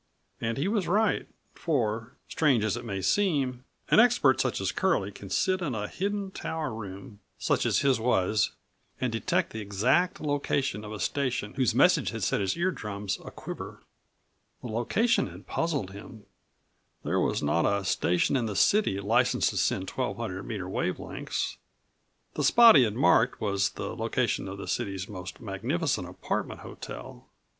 And he was right for, strange as it may seem, an expert such as Curlie can sit in a hidden tower room such as his was and detect the exact location of a station whose message has set his ear drums aquiver. The location had puzzled him. There was not13 a station in the city licensed to send 1200 meter wave lengths. The spot he had marked was the location of the city's most magnificent apartment hotel.